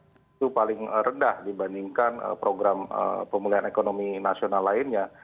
penyerapan anggaran kesehatan itu paling rendah dibandingkan program pemulihan ekonomi nasional lainnya